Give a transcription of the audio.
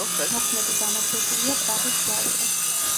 მოქმედი გამარჯვებულია პრაღის „სლავია“.